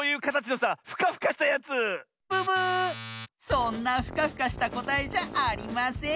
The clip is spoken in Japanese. そんなフカフカしたこたえじゃありません。